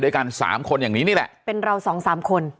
ด้วยการ๓คนอย่างนี้แหละเป็นเรา๒๓คน